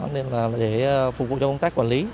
nên là để phục vụ cho công tác quản lý